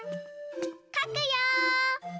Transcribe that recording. かくよ！